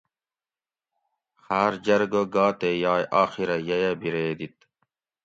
خار جرگہ گا تے یائے آخرہ ییہ بِیرے دیت